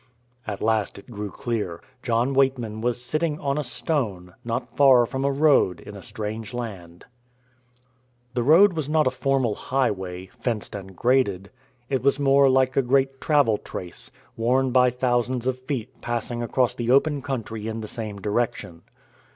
At last it grew clear. John Weightman was sitting on a stone, not far from a road in a strange land. The road was not a formal highway, fenced and graded. It was more like a great travel trace, worn by thousands of feet passing across the open country in the same direction.